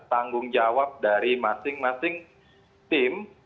tanggung jawab dari masing masing tim